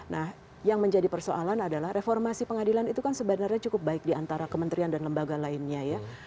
nah yang menjadi persoalan adalah reformasi pengadilan itu kan sebenarnya cukup baik diantara kementerian dan lembaga lainnya ya